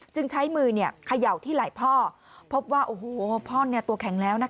จึงใช้มือเขย่าที่ไหล่พ่อพบว่าโอ้โหพ่อตัวแข็งแล้วนะคะ